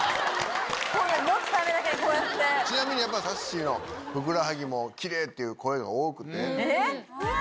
ちなみにさっしーのふくらはぎもキレイっていう声が多くて。